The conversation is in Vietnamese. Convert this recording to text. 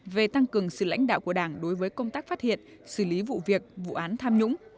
về tăng cường sự lãnh đạo của đảng đối với công tác phát hiện xử lý vụ việc vụ án tham nhũng